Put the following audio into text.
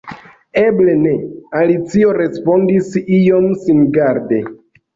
"Eble ne," Alicio respondis iom singarde